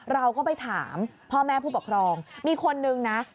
เราก็ไปถามพ่อแม่ผู้ปกครองมีคนนึงนะ